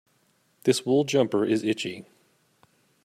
This wool jumper is itchy.